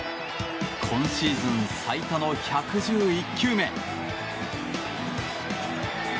今シーズン最多の１１１球目。